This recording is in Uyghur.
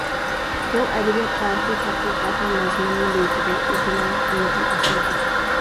ئۇ ئەدەبىيات تارىخى تەتقىقاتىنىڭ مەزمۇنىنى بېيىتىدۇ، ئىجتىمائىي قىممىتىنى ئاشۇرىدۇ.